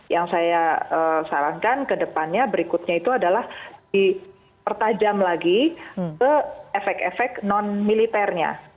yang saya sarankan ke depannya berikutnya itu adalah dipertajam lagi ke efek efek non militernya